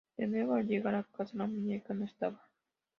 De nuevo, al llegar a casa la muñeca no estaba.